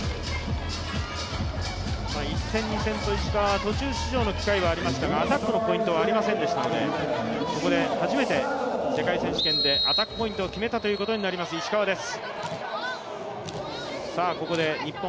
１戦、２戦と石川、途中出場の機会はありましたが、アタックのポイントはありませんでしたのでここで初めて、世界選手権でアタックポイントを決めたことになります、石川です。